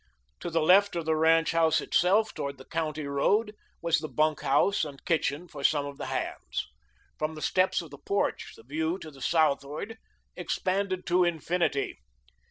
To the left of the ranch house itself, toward the County Road, was the bunk house and kitchen for some of the hands. From the steps of the porch the view to the southward expanded to infinity.